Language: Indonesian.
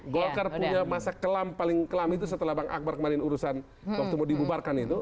golkar punya masa kelam paling kelam itu setelah bang akbar kemarin urusan waktu mau dibubarkan itu